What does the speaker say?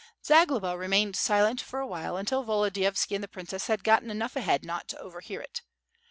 Zagloba remained silent for a while, until Volodiyovski and the princess had gotten enough ahead not to overhear it.